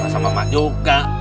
sama mak juga